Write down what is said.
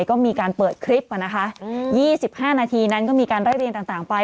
ก็มีการเปิดคลิป๒๕นาทีนั้นก็มีการไล่เรียงต่างไป